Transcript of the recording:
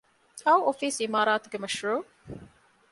އައު އޮފީސް ޢިމާރާތުގެ މަޝްރޫޢު